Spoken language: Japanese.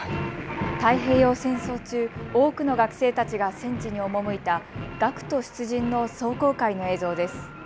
太平洋戦争中、多くの学生たちが戦地に赴いた学徒出陣の壮行会の映像です。